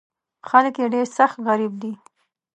خلک یې ډېر سخت غریب دي.